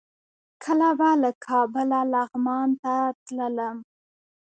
کله به له کابله لغمان ته تللم.